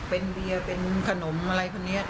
เป็นเบียร์เป็นขนมอะไรพวกนี้